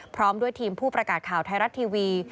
พร้อมด้วยทีมผู้ประกาศข่าวไทยรัฐทีวี